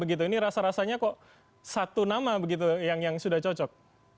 ini rasa rasanya kok satu nama begitu yang sudah cocok